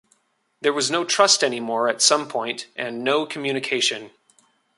There was no trust anymore at some point and no communication.